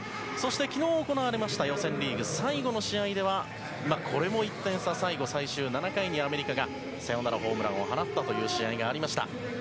昨日、行われました予選リーグ最後の試合ではこれも１点差で最終７回にアメリカがサヨナラホームランを放った試合がありました。